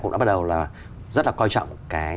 cũng đã bắt đầu là rất là coi trọng